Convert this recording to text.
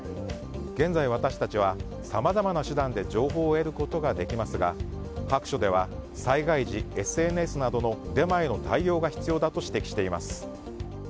現在、私たちはさまざまな手段で情報を得ることができますが白書では、災害時ＳＮＳなどのデマへの対応が必要だと指摘しています。